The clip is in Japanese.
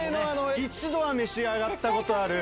一度は召し上がったことある。